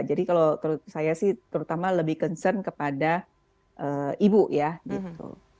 jadi kalau saya sih terutama lebih concern kepada ibu ya gitu